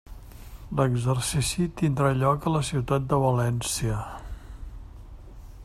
L'exercici tindrà lloc a la ciutat de València.